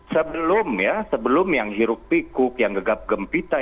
sebelum ya sebelum yang hirup pikuk yang gegap gempitnya ya